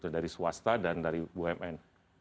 dari swasta dan dari bumn